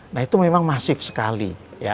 nah itu memang masif sekali